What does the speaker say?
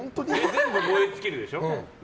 全部燃え尽きるでしょ。